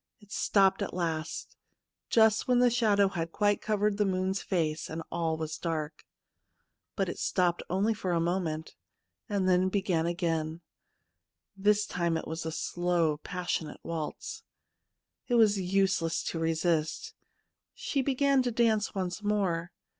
It stopped at last, j ust when the shadow had quite covered the moon's face, and all was dark. But it stopped only for a moment, and 5Q THE MOON SLAVE then began again. This time it was a slow, passionate waltz. It was useless to resist ; she began to dance once more.